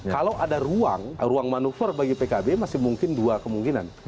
kalau ada ruang ruang manuver bagi pkb masih mungkin dua kemungkinan